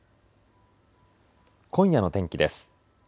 今夜の天気です。